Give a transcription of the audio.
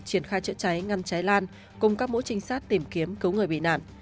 triển khai chữa cháy ngăn cháy lan cùng các mũi trinh sát tìm kiếm cứu người bị nạn